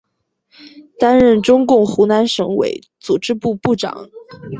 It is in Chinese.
担任中共湖南省委组织部部长。